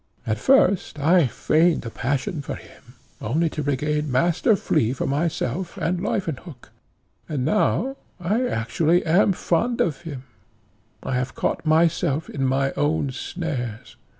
At first I feigned a passion for him only to regain Master Flea for myself and Leuwenhock; and now I actually am fond of him. I have caught myself in my own snares.